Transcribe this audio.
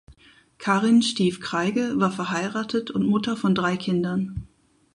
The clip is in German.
Karin Stief-Kreige war verheiratet und Mutter von drei Kindern.